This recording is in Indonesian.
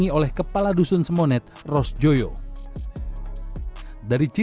nggak punya jadi di sini